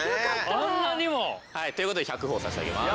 あんなにも！？ということで１００ほぉ差し上げます！